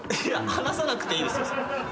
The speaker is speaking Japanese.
いや話さなくていいですよ。